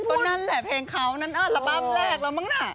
ก็นั่นแหละเพลงเขานั่นอัลบั้มแรกแล้วมั้งน่ะ